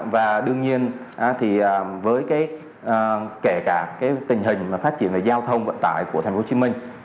và đương nhiên thì với cái kể cả tình hình phát triển về giao thông vận tải của thành phố hồ chí minh